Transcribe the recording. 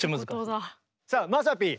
さあまさピー！